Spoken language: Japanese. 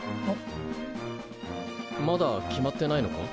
まだ決まってないのか？